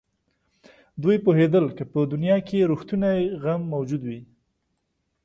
دوی پوهېدل که په دنیا کې رښتونی غم موجود وي.